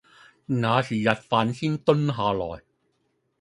那時日飯先蹲下來